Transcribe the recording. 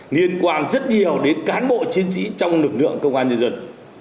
liên quan rất nhiều đến cán bộ chiến sĩ trong lực lượng công an nhân dân